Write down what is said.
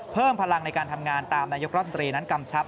เพิ่มพลังในการทำงานตามนายกรัฐมนตรีนั้นกำชับ